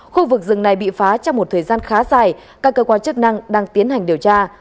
khu vực rừng này bị phá trong một thời gian khá dài các cơ quan chức năng đang tiến hành điều tra